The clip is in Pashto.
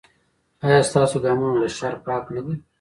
ایا ستاسو ګامونه له شر پاک نه دي؟